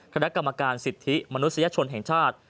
คณะกรรมการสิทธิมนุษยชนแห่งชาติ